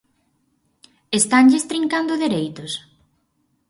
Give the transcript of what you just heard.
¿Estanlles trincando dereitos?